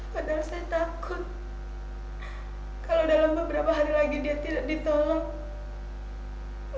padahal saya takut kalau dalam beberapa hari lagi dia tidak ditolong